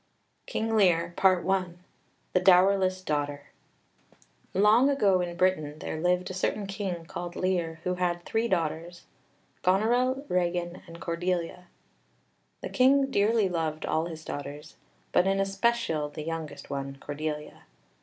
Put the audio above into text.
King Lear The Dowerless Daughter Long ago in Britain there lived a certain King called Lear, who had three daughters Goneril, Regan, and Cordelia. The King dearly loved all his daughters, but in especial the youngest one, Cordelia.